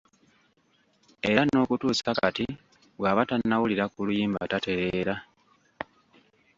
Era n'okutuusa kati bw'aba tannawulira ku luyimba tatereera.